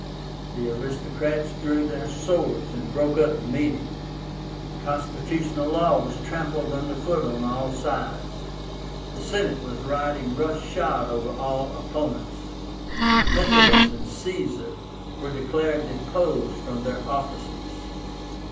The aristocrats drew their swords, and broke up the meeting. Constitutional law was trampled under foot on all sides. The Senate was riding rough shod over all opponents. Metellus and Caesar were declared deposed from their offices.